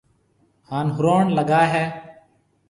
ھان ھُروڻ لگائيَ ھيََََ